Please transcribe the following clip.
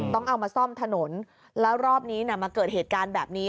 ต้องเอามาซ่อมถนนแล้วรอบนี้มาเกิดเหตุการณ์แบบนี้